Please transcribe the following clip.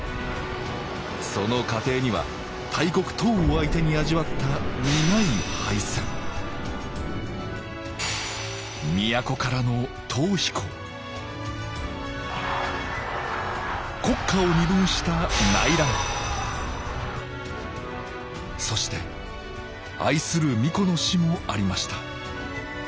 その過程には大国唐を相手に味わった苦い敗戦都からの逃避行国家を二分した内乱そして愛する皇子の死もありました